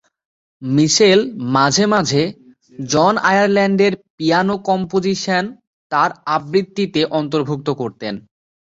Mitchell মাঝে মাঝে John আয়ারল্যান্ডের পিয়ানো কম্পোজিশন তার আবৃত্তিতে অন্তর্ভুক্ত করতেন।